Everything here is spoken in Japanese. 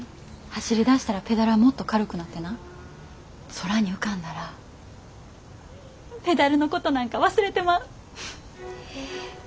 走り出したらペダルはもっと軽くなってな空に浮かんだらペダルのことなんか忘れてまう。